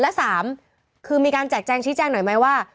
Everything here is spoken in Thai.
และสามคือมีการแจกแจงชี้แจ้งหน่อยไหมว่า